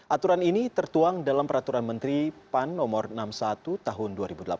aturan ini tertuang dalam peraturan menteri pan no enam puluh satu tahun dua ribu delapan belas